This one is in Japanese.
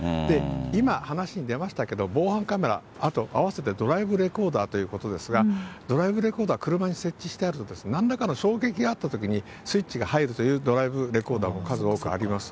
今、話に出ましたけど、防犯カメラ、あとあわせてドライブレコーダーということですが、ドライブレコーダー、車に設置してあると、なんらかの衝撃があったときに、スイッチが入るというドライブレコーダーも数多くあります。